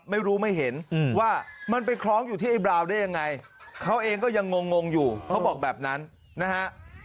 ไม่รู้ไม่เห็นว่ามันไปคล้องอยู่ที่ไอ้บราวได้ยังไงเขาเองก็ยังงงอยู่เขาบอกแบบนั้นนะฮะ